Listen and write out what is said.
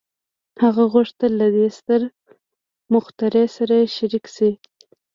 هغه غوښتل له دې ستر مخترع سره شريک شي.